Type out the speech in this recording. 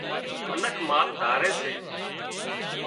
منک مال ڌاري سي